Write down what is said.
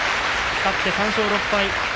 勝って３勝６敗。